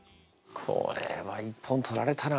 これは一本取られたな。